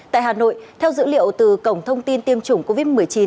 tại hà nội theo dữ liệu từ cổng thông tin tiêm chủng covid một mươi chín